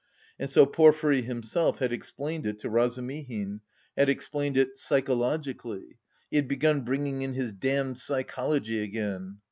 "And so Porfiry himself had explained it to Razumihin, had explained it psychologically. He had begun bringing in his damned psychology again!